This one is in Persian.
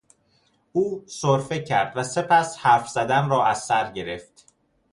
او سرفه کرد و سپس حرف زدن را ازسر گرفت.